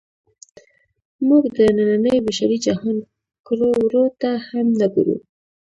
موږ د ننني بشري جهان کړو وړو ته هم نه ګورو.